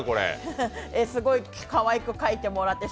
すごいかわいく描いてもらって。